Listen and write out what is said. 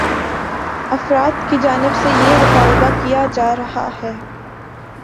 افراد کی جانب سے یہ مطالبہ کیا جا رہا ہے